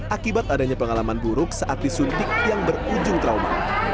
akibat adanya pengalaman buruk saat disuntik yang berujung trauma